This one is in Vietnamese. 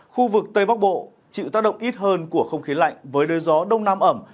khu vực tây bắc bộ chịu tác động ít hơn của không khí lạnh với đới gió đông nam ẩm